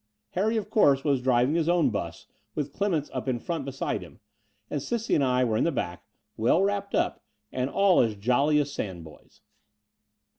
Harry, of course, was driving his own 'bus with Clemence up in front beside him ; and Cissie and I were in the back, well wrapped up, and all as jolly as sand boys.